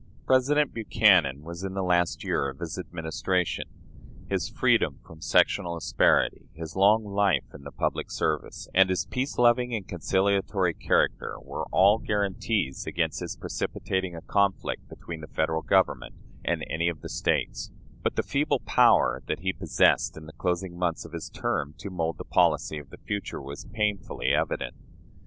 President Buchanan was in the last year of his administration. His freedom from sectional asperity, his long life in the public service, and his peace loving and conciliatory character, were all guarantees against his precipitating a conflict between the Federal Government and any of the States; but the feeble power that he possessed in the closing months of his term to mold the policy of the future was painfully evident.